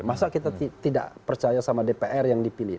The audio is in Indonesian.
masa kita tidak percaya sama dpr yang dipilih